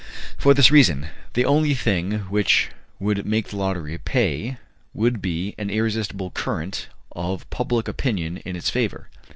"For this reason. The only thing which would make the lottery pay, would be an irresistible current of public opinion in its favour.